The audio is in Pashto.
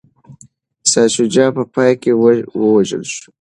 شاه شجاع په پای کي ووژل شو.